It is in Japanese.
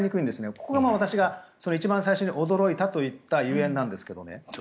ここが私が一番最初に驚いたと言ったゆえんなんですけどね。